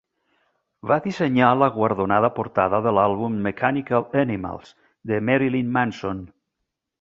Va dissenyar la guardonada portada de l'àlbum "Mechanical Animals" de Marilyn Manson.